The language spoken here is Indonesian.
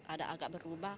ada agak berubah